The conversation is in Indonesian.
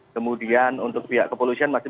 kemudian untuk pihak kepolisian masih